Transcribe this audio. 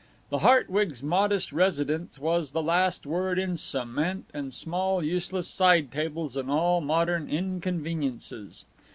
The Hartwigs' modest residence was the last word in cement and small useless side tables and all modern inconveniences.